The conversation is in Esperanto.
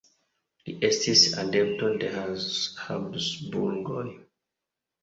Li estis adepto de Habsburgoj.